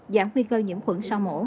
giảm nguy cơ nhiễm khuẩn sau mổ